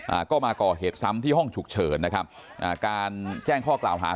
อ่าก็มาก่อเหตุซ้ำที่ห้องฉุกเฉินนะครับอ่าการแจ้งข้อกล่าวหา